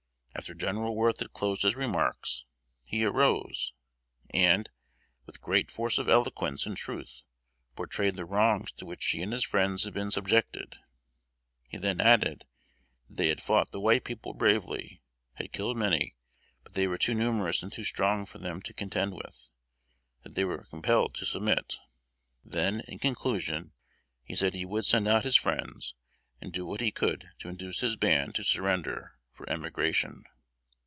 After General Worth had closed his remarks, he arose, and, with great force of eloquence and truth, portrayed the wrongs to which he and his friends had been subjected. He then added, that they had fought the white people bravely, had killed many, but they were too numerous and too strong for them to contend with; that they were compelled to submit. Then, in conclusion, he said he would send out his friends, and do what he could to induce his band to surrender, for emigration.